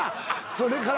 それから